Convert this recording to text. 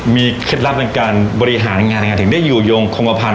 มีเคล็ดลับในการบริหารงานยังไงถึงได้อยู่โยงคงกระพันธ